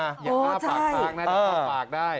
อย่าอ้าปากค้างนะจะอ้าปากได้